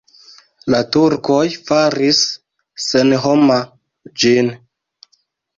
La turkoj faris senhoma ĝin.